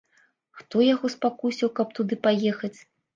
Хто яго спакусіў, каб туды паехаць?